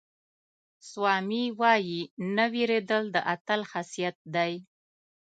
سوامي وایي نه وېرېدل د اتل خاصیت دی.